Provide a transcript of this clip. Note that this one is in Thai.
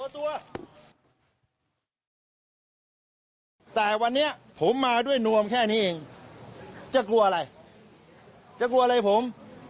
แต่วันนี้ผมมาด้วยนวมแค่นี้เองจะกลัวอะไรจะกลัวอะไรผม